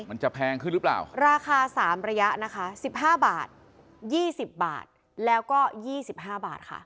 แพงขึ้นหรือเปล่าราคาสามระยะนะคะสิบห้าบาทยี่สิบบาทแล้วก็ยี่สิบห้าบาทค่ะ